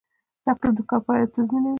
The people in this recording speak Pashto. تعقیب د کار پایله تضمینوي